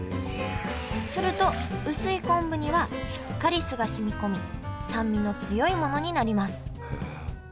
すると薄い昆布にはしっかり酢が染み込み酸味の強いものになります。